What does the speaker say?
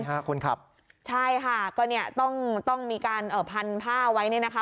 มี๕คนขับใช่ค่ะก็ต้องมีการพันผ้าไว้เนี่ยนะคะ